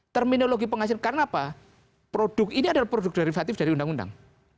terminologi penghasil karena apa produk ini adalah produk derivatif dari undang undang